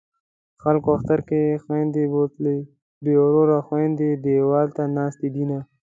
خلکو اختر کې خویندې بوتلې بې وروره خویندې دېواله ته ناستې دینه